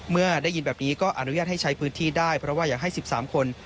เมื่อได้ยินแบบนี้ก็อนุญาตให้ใช้พื้นที่ได้เพราะว่าอยากให้๑๓คน